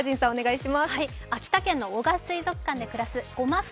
秋田県の男鹿水族館で暮らすごまふ